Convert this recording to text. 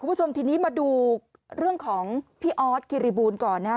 คุณผู้ชมทีนี้มาดูเรื่องของพี่ออสคิริบูลก่อนนะครับ